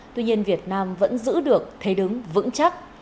tuy nhiên việt nam vẫn giữ được thế đứng vững chắc